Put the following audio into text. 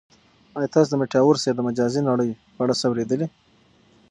آیا تاسو د میټاورس یا د مجازی نړۍ په اړه څه اورېدلي؟